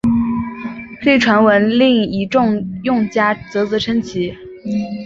这个传闻令一众用家啧啧称奇！